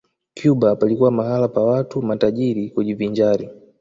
Cuba palikuwa mahala pa watu matajiri kujivinjari